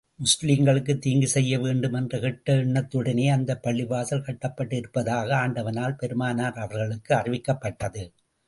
முஸ்லிம்களுக்குத் தீங்கு செய்ய வேண்டும் என்ற கெட்ட எண்ணத்துடனேயே, அந்தப் பள்ளிவாசல் கட்டப்பட்டிருப்பதாக, ஆண்டவனால் பெருமானார் அவர்களுக்கு அறிவிக்கப்பட்டது.